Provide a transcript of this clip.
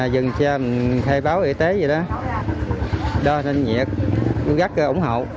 dừng xe thay báo y tế gì đó đo thân nhiệt cố gắng ủng hộ